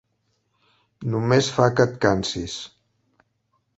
Només fa que et cansis.